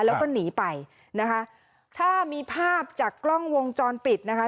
แล้วก็หนีไปนะคะถ้ามีภาพจากกล้องวงจรปิดนะคะ